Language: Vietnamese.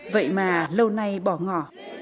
vậy mà lâu nay bỏ ngỏ